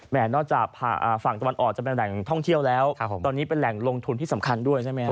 นอกจากฝั่งตะวันออกจะเป็นแหล่งท่องเที่ยวแล้วตอนนี้เป็นแหล่งลงทุนที่สำคัญด้วยใช่ไหมครับ